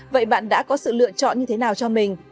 vậy bạn đã có sự lựa chọn như thế nào cho mình